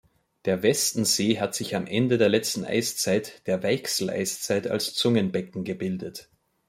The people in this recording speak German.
Der Westensee hat sich am Ende der letzten Eiszeit, der Weichsel-Eiszeit, als Zungenbecken gebildet.